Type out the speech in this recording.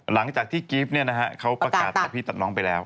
หลังจากที่เกฟเนี่ยนะฮะเขาประกาศตัดพี่ตัดน้องไปแล้ว